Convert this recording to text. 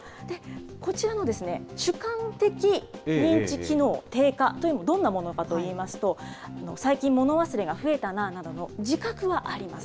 こちらの主観的認知機能低下というのはどんなものかといいますと、最近物忘れが増えたななどの自覚があります。